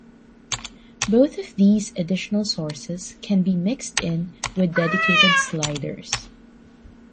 Both of these additional sources can be mixed in with dedicated sliders.